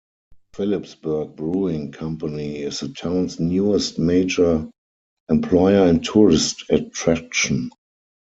Philipsburg Brewing Company is the town's newest major employer and tourist attraction.